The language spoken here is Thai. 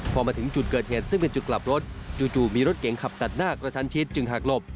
พอมาถึงจุดเกิดเหตุซึ่งเป็นจุดกลับรถจู่มีรถเก๋งขับตัดหน้ากระชันชิดจึงหากหลบ